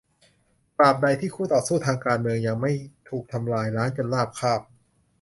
ตราบใดที่คู่ต่อสู้ทางการเมืองยังไม่ถูกทำลายล้างจนราบคาบ